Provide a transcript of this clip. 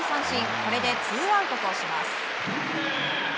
これでツーアウトとします。